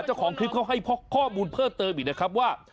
เจ้าของคลิปเขาให้ข้อมูลเพิ่มเติมอีกนะครับว่า